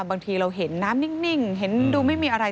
บางทีเราเห็นน้ำนิ่งเห็นดูไม่มีอะไร